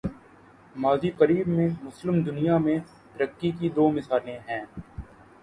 ماضی قریب میں، مسلم دنیا میں ترقی کی دو مثالیں ہیں۔